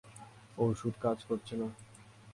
ঔষধ কাজ করছে না।